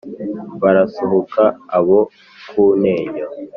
barasuhuka abo ku ntenyo